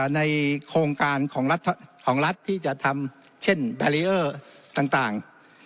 ในโครงการของรัฐของรัฐที่จะทำเช่นแบรีเออร์ต่าง